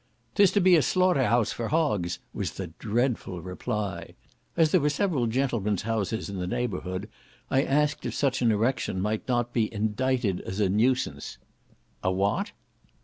"'Tis to be a slaughter house for hogs," was the dreadful reply. As there were several gentlemen's houses in the neighbourhood, I asked if such an erection might not be indicted as a nuisance. "A what?"